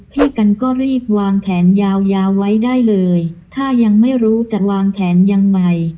พี่กันก็รีบวางแผนยาวยาวไว้ได้เลยถ้ายังไม่รู้จะวางแผนยังไง